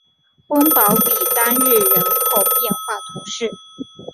翁堡比当日人口变化图示